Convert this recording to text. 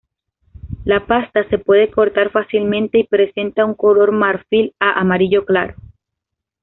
La pasta se puede cortar fácilmente y presenta un color marfil a amarillo claro.